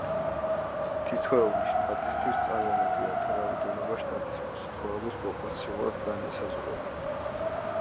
თითოეული შტატისთვის წარმომადგენელთა რაოდენობა შტატის მოსახლეობის პროპორციულად განისაზღვრება.